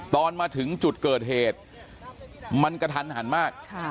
ตอนมาถึงจุดเกิดเหตุมันกระทันหันมาก